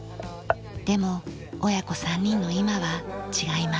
でも親子３人の今は違います。